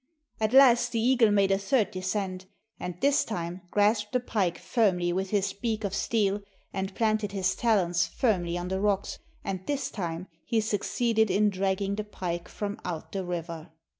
At last the eagle made a third descent, and this time grasped the pike firmly with his beak of steel, and planted his talons firmly on the rocks, and this time he succeeded in dragging the pike from out the river.